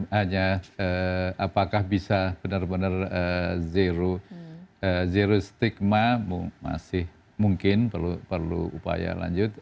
hanya apakah bisa benar benar zero stigma masih mungkin perlu upaya lanjut